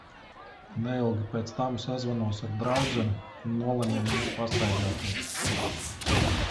Neilgi pēc tam, sazvanos ar draudzeni un nolemjam iet pastaigāties.